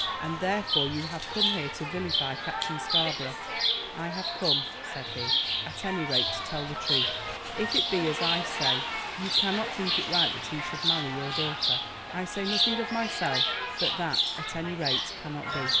"And therefore you have come here to vilify Captain Scarborough." "I have come," said he, "at any rate to tell the truth. If it be as I say, you cannot think it right that he should marry your daughter. I say nothing of myself, but that, at any rate, cannot be."